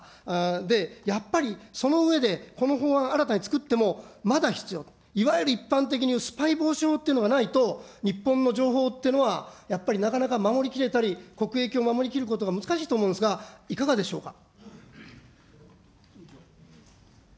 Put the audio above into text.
で、やっぱりその上で、この法案、新たに作っても、まだ必要と、いわゆる一般的にいうスパイ防止法というのがないと、日本の情報っていうのはやっぱりなかなか守りきれたり、国益を守りきることが難しいと思うんですが、いかがでしょうか。